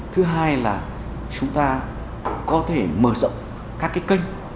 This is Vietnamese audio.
thứ hai là chúng ta có thể mở rộng các cái kênh